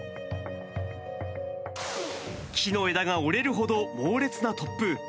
木の枝が折れるほど、猛烈な突風。